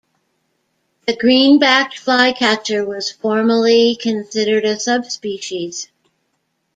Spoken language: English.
The green-backed flycatcher was formerly considered a subspecies.